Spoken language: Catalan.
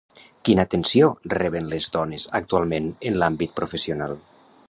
Quina atenció reben les dones actualment en l'àmbit professional?